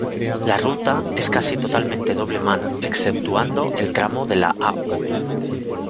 La ruta es casi totalmente doble mano, exceptuando el tramo de la av.